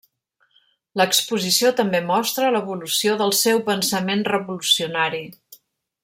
L'exposició també mostra l'evolució del seu pensament revolucionari.